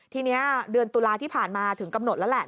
ทีนี้เดือนตุลาที่ผ่านมาถึงกำหนดแล้วแหละ